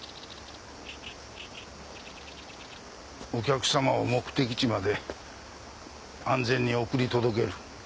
お客様を目的地まで安全に送り届ける